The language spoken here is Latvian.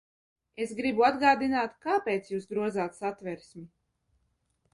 Es gribu atgādināt, kāpēc jūs grozāt Satversmi.